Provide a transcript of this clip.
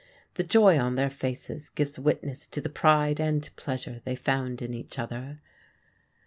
The joy on their faces gives witness to the pride and pleasure they found in each other.